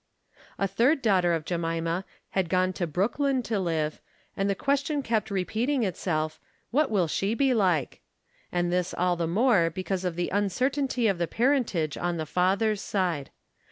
A third daughter of Jemima had gone to Brooklyn to live, and the question kept repeating itself, "What will she be like ?" and thi's all the more because of the uncer tainty of the parentage on the father's side.